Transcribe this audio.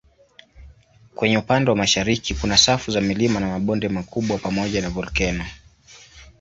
Kwenye upande wa mashariki kuna safu za milima na mabonde makubwa pamoja na volkeno.